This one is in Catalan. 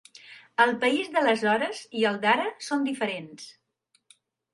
El país d'aleshores i el d'ara són diferents.